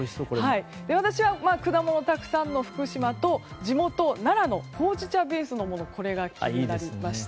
私は果物がたくさんの福島と地元奈良のほうじ茶ベースのものが気になりました。